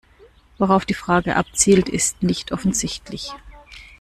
Worauf die Frage abzielt, ist nicht offensichtlich.